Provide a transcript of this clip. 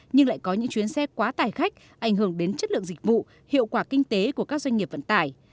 nhưng lại có những chuyến xe quá tải khách ảnh hưởng đến chất lượng dịch vụ hiệu quả kinh tế của các doanh nghiệp vận tải